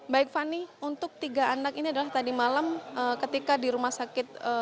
baik fani untuk tiga anak ini adalah tadi malam ketika di rumah sakit